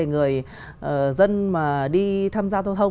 người dân mà đi tham gia thông thông